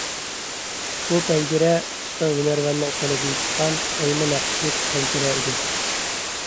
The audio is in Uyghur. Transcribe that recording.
بۇ پەنجىرە ئۇستا ھۈنەرۋەننىڭ قولىدىن چىققان ئويما نەقىشلىك پەنجىرە ئىدى.